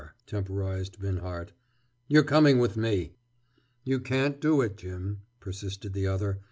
temporized Binhart. "You're coming with me!" "You can't do it, Jim," persisted the other.